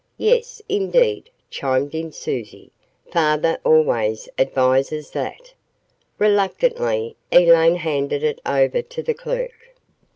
"Yes, indeed," chimed in Susie. "Father always advises that." Reluctantly, Elaine handed it over to the clerk.